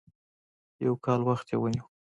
يو کال وخت یې ونیو.